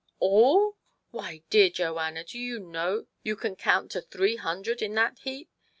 All ? Why, dear Joanna, do you know you can count to three hundred in that heap